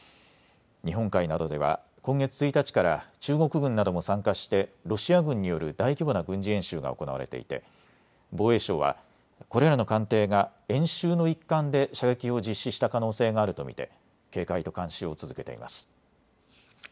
日本海などでは今月１日から中国軍なども参加してロシア軍による大規模な軍事演習が行われていて防衛省はこれらの艦艇が演習の一環で射撃を実施した可能性があると見て警戒と監視を続けています。